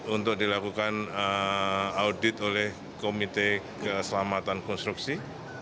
untuk dilakukan audit oleh komite keselamatan konstruksi